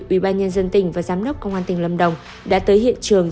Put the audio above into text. ubnd tỉnh và giám đốc công an tỉnh lâm đồng đã tới hiện trường